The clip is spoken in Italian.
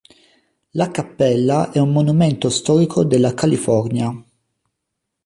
La cappella è un Monumento storico della California.